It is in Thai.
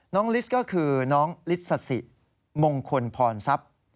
น้องลิสก็คือน้องลิสสสิมงคลพรศัพท์